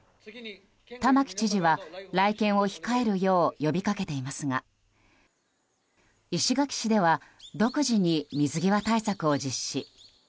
玉城知事は来県を控えるよう呼びかけていますが石垣市では独自に水際対策を実施。